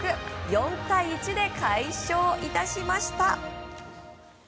４対１で快勝いたしました！